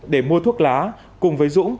để mua thuốc lá cùng với dũng